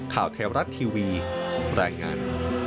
ข่าวแท้รัฐทีวีแรงงาน